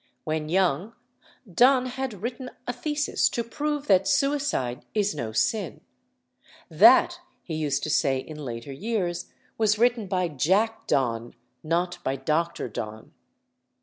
When young, Donne had written a thesis to prove that suicide is no sin. "That," he used to say in later years, "was written by Jack Donne, not by Dr. Donne."